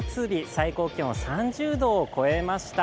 最高気温３０度を超えました。